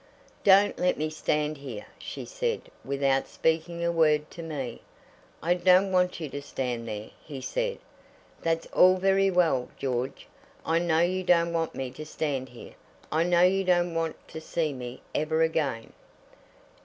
"Don't let me stand here," she said, "without speaking a word to me." "I don't want you to stand there," he said. "That's all very well, George. I know you don't want me to stand here. I know you don't want to see me ever again."